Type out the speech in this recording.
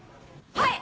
はい！